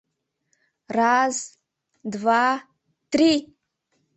Раз... два... три!..